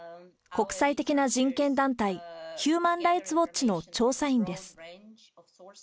国際的な人権団体、ヒューマン・ライツ・ウォッチの調査員です。